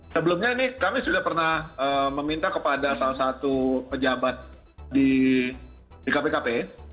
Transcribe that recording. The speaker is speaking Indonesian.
sebelumnya ini kami sudah pernah meminta kepada salah satu pejabat di kpkp